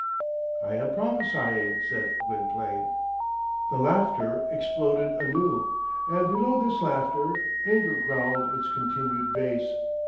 "I am prophesying," said Gwynplaine. The laughter exploded anew; and below this laughter, anger growled its continued bass.